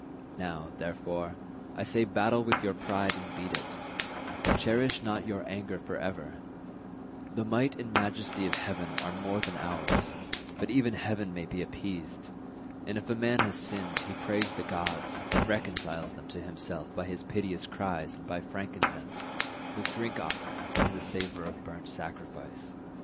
Now, therefore, I say battle with your pride and beat it; cherish not your anger for ever; the might and majesty of heaven are more than ours, but even heaven may be appeased; and if a man has sinned he prays the gods, and reconciles them to himself by his piteous cries and by frankincense, with drink offerings and the savour of burnt sacrifice.